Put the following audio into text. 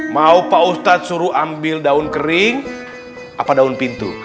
mau pak ustadz suruh ambil daun kering apa daun pintu